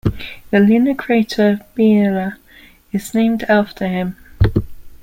The lunar crater Biela is named after him.